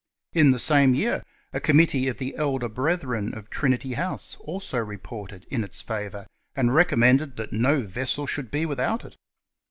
In the same year a com mittee of the older brethren of Trinity House also reported in its favour, and re commended tliat * no vessel should be with out it.